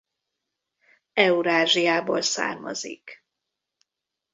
Eurázsiából származik.